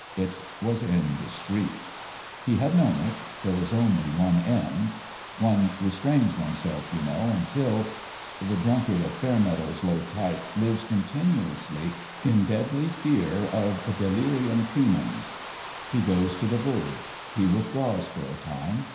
It was indiscreet. He had known it. There was only one end. One restrains oneself, you know, until ... The drunkard of Fair meadow's low type lives continuously in deadly fear of delirium tremens. He goes to the verge. He withdraws for a time.